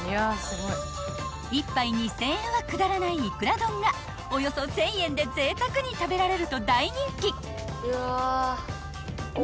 ［１杯２，０００円はくだらないいくら丼がおよそ１，０００円でぜいたくに食べられると大人気］